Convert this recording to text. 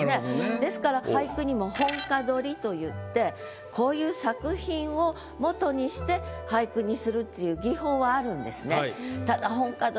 ですから俳句にも本歌取りといってこういう作品を元にして俳句にするっていう技法はあるんですね。